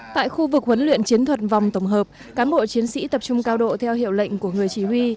tại khu vực huấn luyện chiến thuật vòng tổng hợp cán bộ chiến sĩ tập trung cao độ theo hiệu lệnh của người chỉ huy